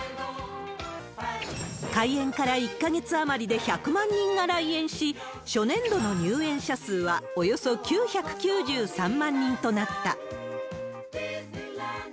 開園から１か月余りで１００万人が来園し、初年度の入園者数はおよそ９９３万人となった。